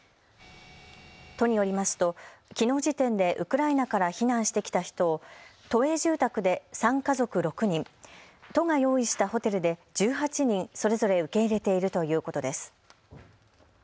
都によりますと、きのう時点でウクライナから避難してきた人を都営住宅で３家族６人、都が用意したホテルで１８人、それぞれ受け入れているということです。